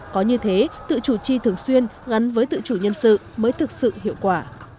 có như thế tự chủ chi thường xuyên gắn với tự chủ nhân sự mới thực sự hiệu quả